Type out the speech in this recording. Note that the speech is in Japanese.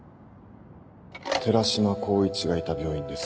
寺島光一がいた病院です